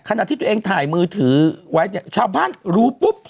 ขนาดที่ทันเองถ่ายมือถือไว้พรรษรู้ปุ๊บพรส